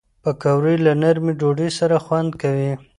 پکورې له نرمې ډوډۍ سره خوند کوي